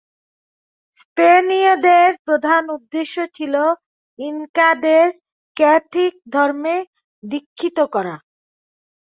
স্পেনীয়দের প্রধান উদ্দেশ্য ছিল ইনকাদের ক্যাথলিক ধর্মে দীক্ষিত করা।